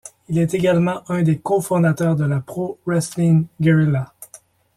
Il est également un des cofondateurs de la Pro Wrestling Guerilla.